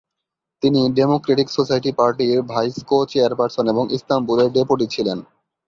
তিনি democratic society পার্টির vice co-chairperson এবং ইস্তাম্বুলের ডেপুটি ছিলেন।